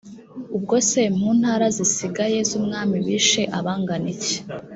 ubwo se mu ntara zisigaye z’umwami bishe abangana iki‽